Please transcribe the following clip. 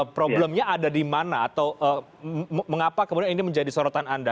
problemnya ada di mana atau mengapa kemudian ini menjadi sorotan anda